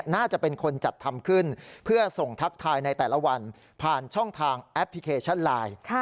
น่าจะเป็นคนจัดทำขึ้นเพื่อส่งทักทายในแต่ละวันผ่านช่องทางแอปพลิเคชันไลน์